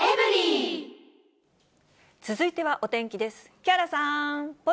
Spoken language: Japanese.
続いてはお天気です。